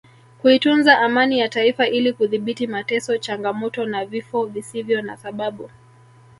kuitunza amani ya Taifa ili kudhibiti mateso changamoto na vifo visivyo na sababu